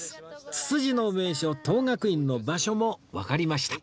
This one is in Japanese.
ツツジの名所等覚院の場所もわかりました